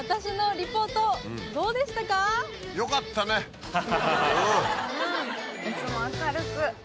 うんいつも明るく。